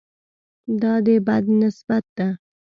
دا د بد نسبت ده.